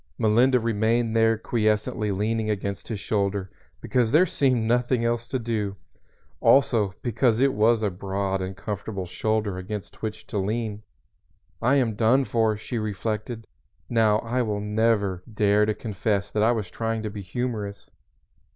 Melinda remained there quiescently leaning against his shoulder, because there seemed nothing else to do, also because it was a broad and comfortable shoulder against which to lean. "I am done for," she reflected. "Now I will never dare to confess that I was trying to be humorous."